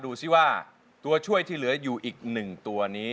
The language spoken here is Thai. ดูสิว่าตัวช่วยที่เหลืออยู่อีก๑ตัวนี้